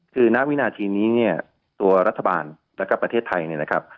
คือณวินาทีนี้เนี่ยตัวรัฐบาลแล้วก็ประเทศไทยเนี่ยนะครับ